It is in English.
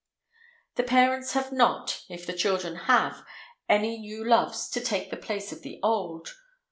The parents have not, if the children have, any new loves to take the place of the old.